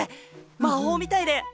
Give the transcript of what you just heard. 魔法みたいで！